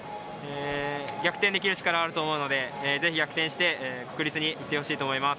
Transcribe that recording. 逆転できる力はあると思うので、ぜひ逆転して国立に行ってほしいと思います。